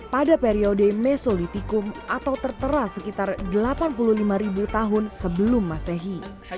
pada periode mesolitikum atau tertera sekitar delapan puluh lima ribu tahun sebelum masehi